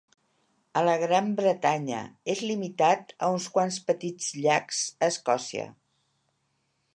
A la Gran Bretanya, és limitat a uns quants petits llacs a Escòcia.